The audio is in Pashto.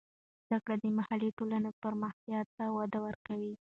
زده کړه د محلي ټولنو پرمختیا ته وده ورکوي.